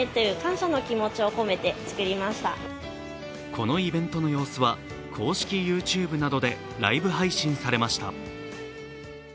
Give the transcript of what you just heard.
このイベントの様子は公式ＹｏｕＴｕｂｅなどでライブ配信されました。